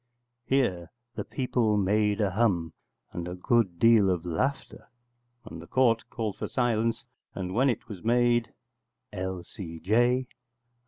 [Here the people made a hum, and a good deal of laughter, and the Court called for silence, and when it was made] _L.C.J.